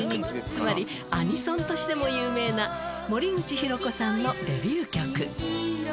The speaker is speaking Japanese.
つまりアニソンとしても有名な森口博子さんのデビュー曲。